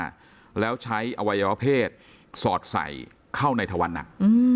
ค่ำหน้าแล้วใช้อวัยระเภษสอดใสเข้าในถวันหนัก